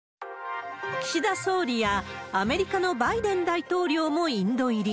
岸田総理やアメリカのバイデン大統領もインド入り。